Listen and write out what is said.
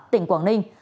tỉnh quảng ninh